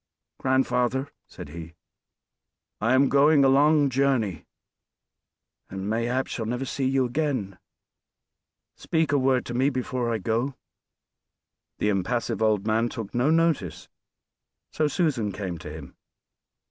"Grandfather," said he, "I am going a long journey, and mayhap shall never see you again; speak a word to me before I go." The impassive old man took no notice, so Susan came to him.